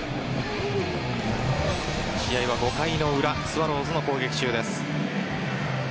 試合は５回の裏スワローズの攻撃中です。